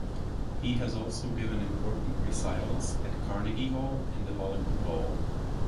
He has also given important recitals at Carnegie Hall and the Hollywood Bowl.